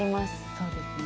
そうですね。